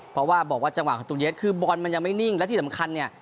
เพราะว่าบอกว่าจังหวะประตูเย็ดคือบอลมันยังไม่นิ่งและที่สำคัญเนี่ย